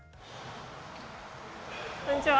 こんにちは。